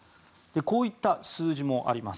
こういった数字もあります。